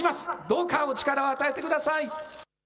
どうかお力を与えてください。